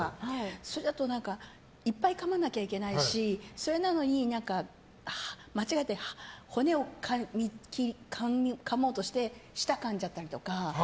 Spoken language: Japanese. それだといっぱいかまなきゃいけないしそれなのに、間違えて骨をかもうとして舌をかんじゃったりとか。